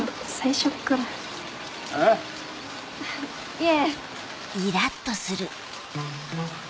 いえ。